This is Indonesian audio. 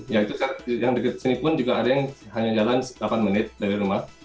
ya itu yang dekat sini pun juga ada yang hanya jalan delapan menit dari rumah